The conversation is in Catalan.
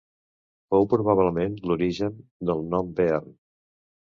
Fou probablement l'origen del nom Bearn.